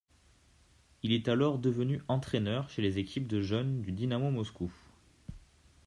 Il est alors devenu entraîneur chez les équipes de jeunes du Dinamo Moscou.